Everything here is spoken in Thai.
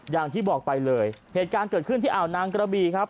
อย่างที่บอกไปเลยเหตุการณ์เกิดขึ้นที่อ่าวนางกระบีครับ